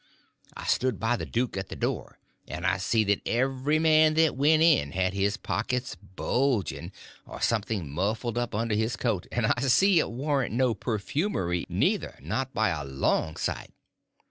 I stood by the duke at the door, and I see that every man that went in had his pockets bulging, or something muffled up under his coat—and I see it warn't no perfumery, neither, not by a long sight.